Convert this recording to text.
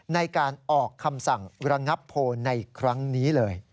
ในการออกคำสั่งระงับโพลในครั้งนี้เลย